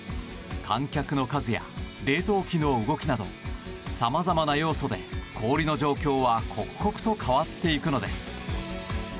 観客の数や、冷凍機の動きなどさまざまな要素で氷の状況は刻々と変わっていくのです。